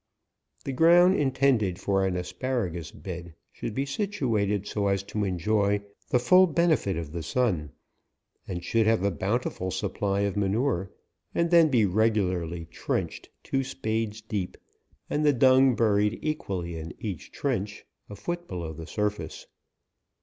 The ground intended for an asparagus bed should be situated so as to enjoy the full ben efit of the sun, and should have a bountiful supply of manure, and then be regularly trenched two spades deep, and the dung bu ried equally in each trench, a foot below the surface.